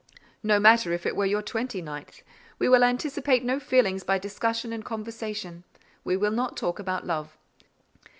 "No matter if it were your twenty ninth; we will anticipate no feelings by discussion and conversation; we will not talk about love."